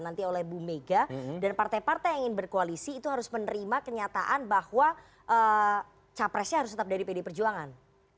partai partai yang ingin berkoalisi itu harus menerima kenyataan bahwa capresnya harus tetap dari pd perjuangan